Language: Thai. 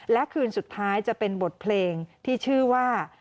และคืนสุดท้ายจะเป็นบทเพลงที่ชื่อว่า